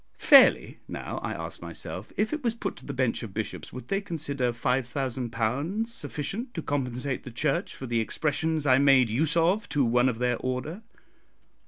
Fairly, now," I asked myself, "if it was put to the Bench of Bishops, would they consider £5000 sufficient to compensate the Church for the expressions I made use of to one of their order?"